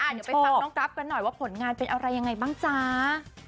เดี๋ยวไปฟังน้องกราฟกันหน่อยว่าผลงานเป็นอะไรยังไงบ้างจ้า